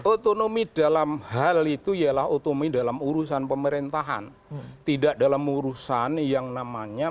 otonomi dalam hal itu ialah otonomi dalam urusan pemerintahan tidak dalam urusan yang namanya